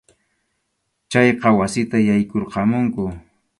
Chayqa wasita yaykurqamunku.